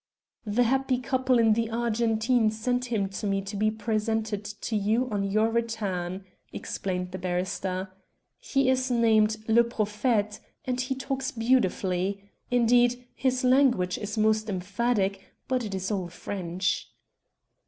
"The happy couple in the Argentine sent him to me to be presented to you on your return," explained the barrister. "He is named 'Le Prophète,' and he talks beautifully indeed, his language is most emphatic, but it is all French."